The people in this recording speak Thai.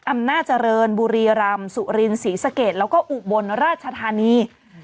อำนาจเจริญบุรีรำสุรินศรีสะเกดแล้วก็อุบลราชธานี